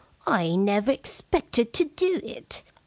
* I never ex pected to do it.